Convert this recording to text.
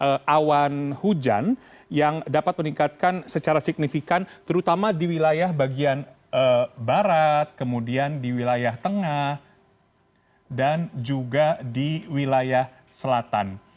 ada awan hujan yang dapat meningkatkan secara signifikan terutama di wilayah bagian barat kemudian di wilayah tengah dan juga di wilayah selatan